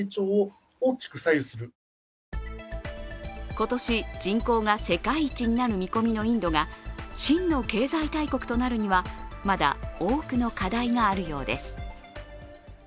今年、人口が世界一になる見込みのインドが新の経済大国となるにはまだ多くの課題があるようです。